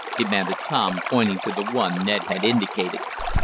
demanded Tom pointing to the one Ned had indicated.